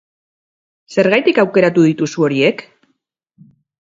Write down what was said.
Zergatik aukeratu dituzu horiek?